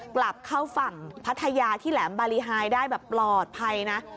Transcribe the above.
กลับเข้าฝั่งพัทยาที่แหลมบารีไฮได้แบบปลอดภัยนะ